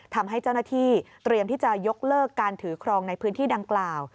ทำให้เจ้าหน้าที่เตรียมที่จะยกเลิกการถือครองในพื้นที่ดังกล่าว